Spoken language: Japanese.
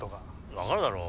分かるだろう。